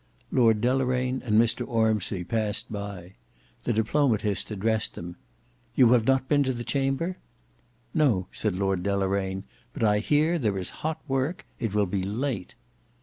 Lord Deloraine and Mr Ormsby passed by; the diplomatist addressed them: "You have not been to the Chamber?" "No," said Lord Deloraine; "but I hear there is hot work. It will be late."